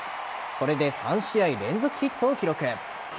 これで３試合連続ヒットを記録。